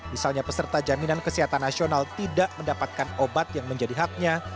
misalnya peserta jaminan kesehatan nasional tidak mendapatkan obat yang menjadi haknya